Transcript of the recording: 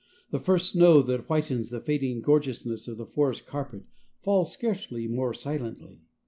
The first snow that whitens the fading gorgeousness of the forest carpet falls scarcely more silently.